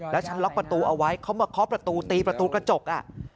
แล้วฉันล็อกประตูเอาไว้เขามาเคาะประตูตีประตูกระจก